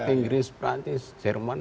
inggris perancis jerman